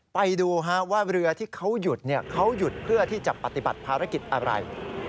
ไปดูว่าเรือที่เขาหยุดเขาหยุดเพื่อที่จะปฏิบัติภารกิจอะไร